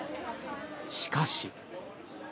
しかし。